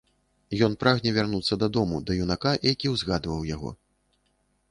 Ён прагне вярнуцца дадому да юнака, які ўзгадаваў яго.